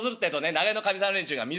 長屋のかみさん連中がみ